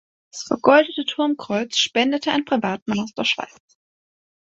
Das vergoldete Turmkreuz spendete ein Privatmann aus der Schweiz.